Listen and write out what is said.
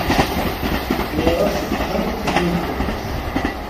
Iruḥ seg uxxam i tella uletma-s.